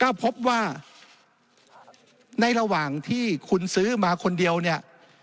ก็พบว่าในระหว่างที่คุณซื้อมาคนเดียวเนี่ย